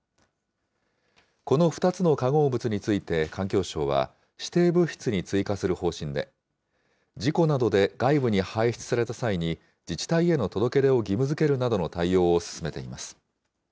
この２つの化合物について、環境省は、指定物質に追加する方針で、事故などで外部に排出された際に、自治体への届け出を義務づけるなどの対応を進めています。